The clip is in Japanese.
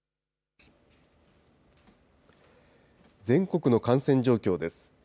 全国の感染状況です。